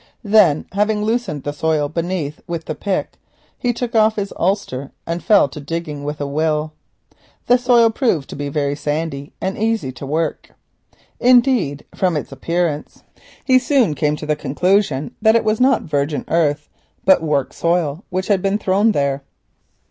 Then having loosened the soil beneath with the pick he took off his ulster and fell to digging with a will. The soil proved to be very sandy and easy to work. Indeed, from its appearance, he soon came to the conclusion that it was not virgin earth, but worked soil which had been thrown there.